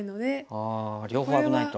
あ両方危ないと。